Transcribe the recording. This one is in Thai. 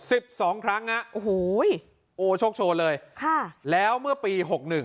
สิบสองครั้งน่ะโอ้โฮยโชคโชว์เลยแล้วเมื่อปี๖๑